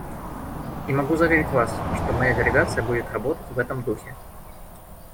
И могу заверить вас, что моя делегация будет работать в этом духе.